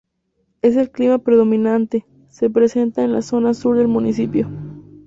Es el clima predominante se presenta en la zona Sur del Municipio.